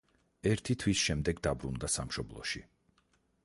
ერთი თვის შემდეგ დაბრუნდა სამშობლოში.